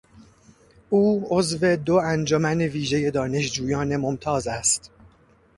او عضو دو انجمن ویژهی دانشجویان ممتاز است.